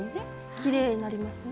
きれいになりますね。